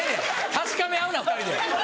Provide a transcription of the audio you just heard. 確かめ合うな２人で。